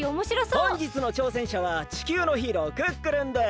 ほんじつのちょうせんしゃは地球のヒーロークックルンです。